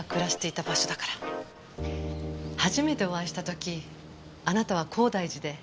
初めてお会いした時あなたは高台寺で。